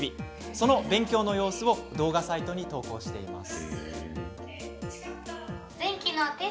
その勉強の様子を動画サイトに投稿しています。